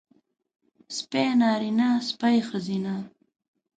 سپی نارينه سپۍ ښځينۀ